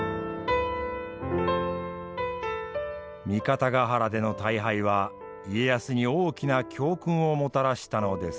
三方ヶ原での大敗は家康に大きな教訓をもたらしたのです。